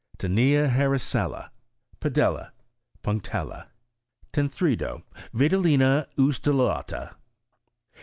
Tinea Harrisella, Pedella, Punctdla. Tenthredo. Vitellina, ustulata.